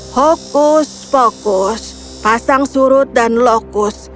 hokus pokus pasang surut dan lokus